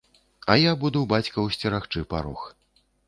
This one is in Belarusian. А я буду бацькаў сцерагчы парог.